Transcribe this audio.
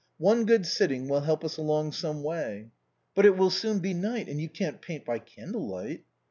One good sitting will help ns along some way." " But it will soon be night, and you can't paint by candle light."